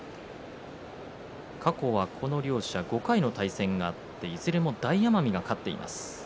過去は、この両者５回の対戦があっていずれも大奄美が勝っています。